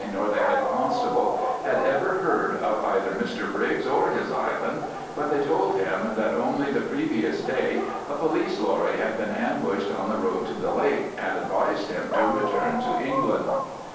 nor the Head Constable had ever heard of either Mr Briggs or his island, but they told him that only the previous day a police lorry had been ambushed on the road to the lake, and advised him to return to England.